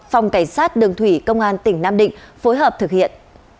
phòng cảnh sát đường thủy công an tỉnh nam định phối hợp thực hiện